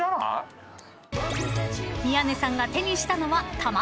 ［宮根さんが手にしたのは］